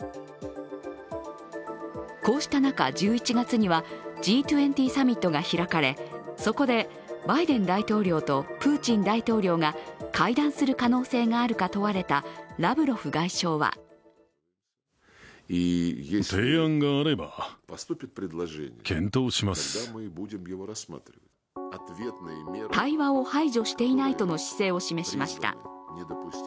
こうした中、１１月には、Ｇ２０サミットが開かれそこでバイデン大統領とプーチン大統領が、会談する可能性があるか問われたラブロフ外相は対話を排除していないとの姿勢を示しました。